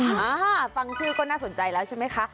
อ่าฟังชื่อก็น่าสนใจแล้วใช่ไหมคะ